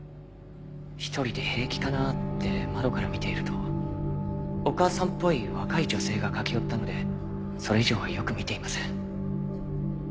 一人で平気かなぁって窓から見ているとお母さんっぽい若い女性が駆け寄ったのでそれ以上はよく見ていません。